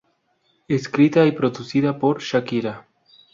Escrita y producida por Shakira.